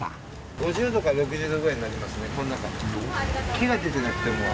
５０度か６０度ぐらいになりますね、この中。